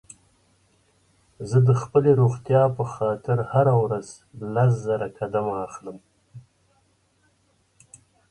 زه د خپلې روغتيا په خاطر هره ورځ لس زره قدمه اخلم